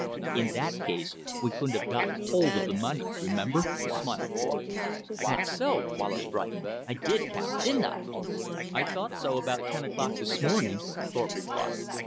"In that case we couldn't have gotten hold of the money, remember," smiled Thorpe. "That's so." Wallace brightened. "I did count, didn't I?" "I thought so about ten o'clock this morning," Thorpe replied.